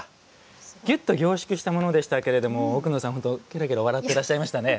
ぎゅっと凝縮したものでしたけれども奥野さん、けらけら笑っていらっしゃいましたね。